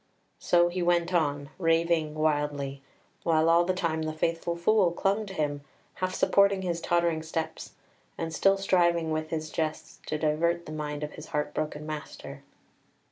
So he went on, raving wildly, while all the time the faithful Fool clung to him, half supporting his tottering steps, and still striving with his jests to divert the mind of his heart broken master.